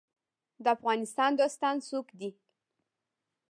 د افغانستان دوستان څوک دي؟